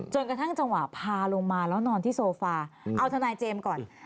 จนกระทั่งจังหวะพาลงมาแล้วนอนที่โซฟาเอาทนายเจมส์ก่อน